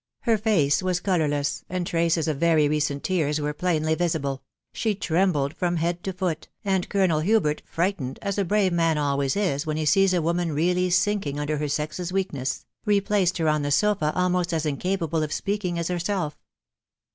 Her face was colourless, and traces of very recent tears were plainly visible; she trembled from head to foot, aud Colonel Hubert, frightened, as a brave man always is when he sees a woman really sinking under her sex's weakness, replaced her on the sofa almost as incapable of speaking as herself.